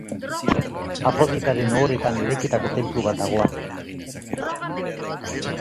Afroditaren ohoretan eraikitako tenplu bat dago han.